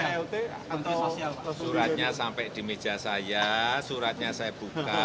atau suratnya sampai di meja saya suratnya saya buka